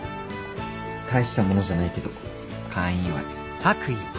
大したものじゃないけど開院祝。